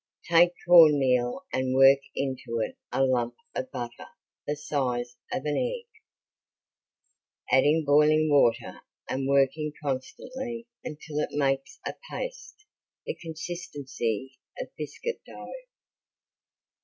Take corn meal and work into it a lump of butter the size of an egg, adding boiling water and working constantly until it makes a paste the consistency of biscuit dough.